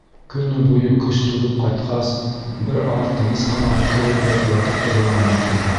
Көнө буйы көс түгеп ҡайтҡас, бер аҙ тыныс ҡына ултырып йәки ятып торорға мөмкин.